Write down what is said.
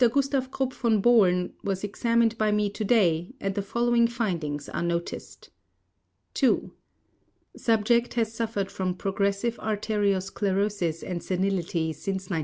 Gustav Krupp von Bohlen was examined by me today, and the following findings are noticed. 2. Subject has suffered from progressive arteriosclerosis and senility since 1939.